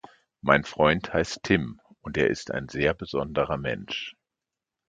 Mein Freund heißt Tim und er ist ein sehr besonderer Mensch.